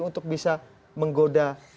untuk bisa menggoda